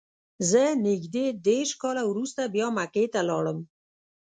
زه نږدې دېرش کاله وروسته بیا مکې ته لاړم.